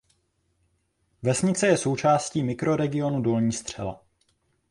Vesnice je součástí Mikroregionu Dolní Střela.